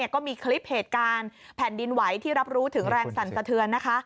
ก็มีคลิปเหตุการณ์แผ่นดินไหวที่รับรู้ถึงแรงสั่นสะเทือนนะคะ